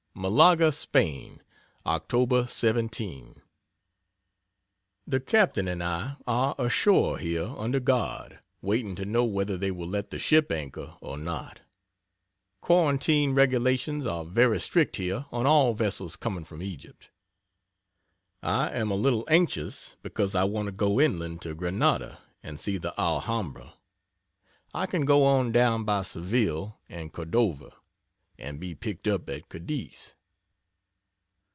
MALAGA, SPAIN, Oct. 17. The Captain and I are ashore here under guard, waiting to know whether they will let the ship anchor or not. Quarantine regulations are very strict here on all vessels coming from Egypt. I am a little anxious because I want to go inland to Granada and see the Alhambra. I can go on down by Seville and Cordova, and be picked up at Cadiz.